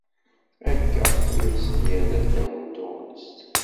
Akka i asen-yerra ddaw n tuɣmest.